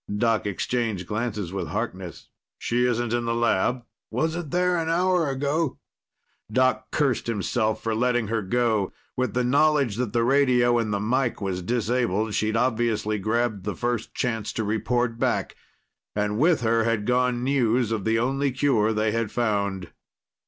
Doc exchanged glances with Harkness. "She isn't in the lab?" "Wasn't there an hour ago." Doc cursed himself for letting her go. With the knowledge that the radio in the mike was disabled, she'd obviously grabbed the first chance to report back. And with her had gone news of the only cure they had found.